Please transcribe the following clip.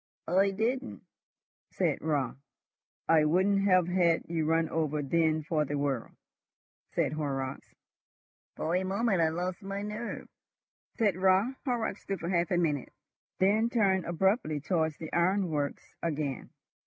"I didn't," said Raut. "I wouldn't have had you run over then for the world," said Horrocks. "For a moment I lost my nerve," said Raut. Horrocks stood for half a minute, then turned abruptly towards the ironworks again.